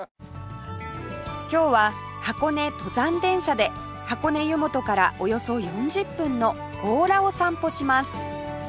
今日は箱根登山電車で箱根湯本からおよそ４０分の強羅を散歩します